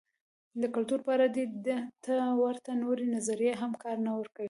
د کلتور په اړه دې ته ورته نورې نظریې هم کار نه ورکوي.